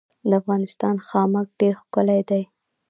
د افغانستان خامک ډیر ښکلی دی